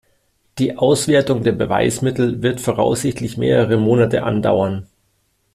Die Auswertung der Beweismittel wird voraussichtlich mehrere Monate andauern.